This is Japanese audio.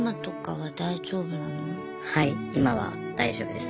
はい今は大丈夫です。